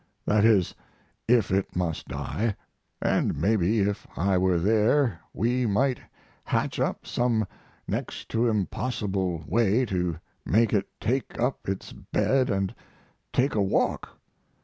That is, if it must die; and maybe if I were there we might hatch up some next to impossible way to make it take up its bed and take a walk.